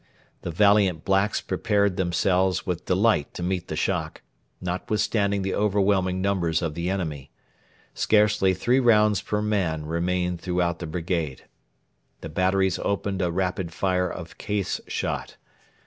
The valiant blacks prepared themselves with delight to meet the shock, notwithstanding the overwhelming numbers of the enemy. Scarcely three rounds per man remained throughout the brigade. The batteries opened a rapid fire of case shot.